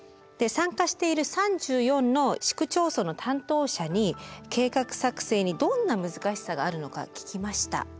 参加している３４の市区町村の担当者に計画作成にどんな難しさがあるのか聞きました。